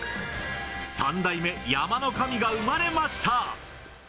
３代目山の神が生まれました。